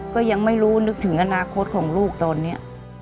ก็ยังไม่รู้นึกถึงอนาคตของลูกตอนนี้